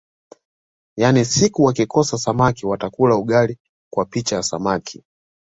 Yaani siku wakikosa samamki watakula ugali kwa picha ya samaki